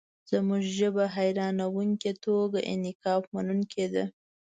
زموږ ژبه حیرانوونکې توګه انعطافمنونکې ده.